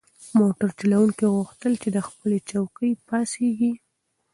موټر چلونکي غوښتل چې له خپلې چوکۍ پاڅیږي.